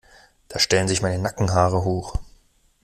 Da stellen sich meine Nackenhaare hoch.